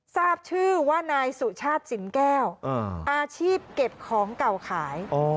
ทราบชื่อว่านายสุชาติสินแก้วอาชีพเก็บของเก่าขาย